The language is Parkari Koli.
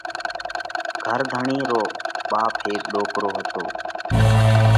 گھر ڌڻِي رو ٻاپ هيڪ ڏوڪرو پڻ هتو۔